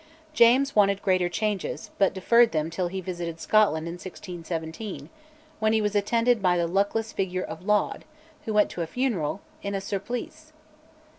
James wanted greater changes, but deferred them till he visited Scotland in 1617, when he was attended by the luckless figure of Laud, who went to a funeral in a surplice!